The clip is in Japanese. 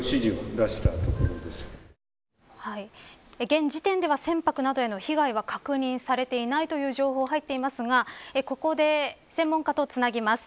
現時点では船舶などへの被害は確認されていないという情報が入っていますがここで専門家とつなぎます。